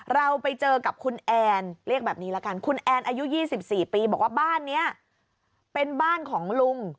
เราไปเจอกับคุณแอนเรียกแบบนี้ละกันคุณแอนอายุ๒๔ปีบอกว่าบ้านนี้เป็นบ้านของลุง